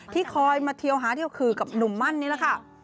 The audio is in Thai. ที่คอยมาเทียวหาเที่ยวคือกับหนุ่มมั่นนี่แหละค่ะ